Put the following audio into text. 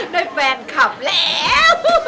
ได้แฟนคลับแล้ว